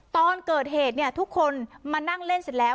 ตอนเกิดเหตุเนี่ยทุกคนมานั่งเล่นเสร็จแล้ว